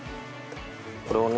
これをね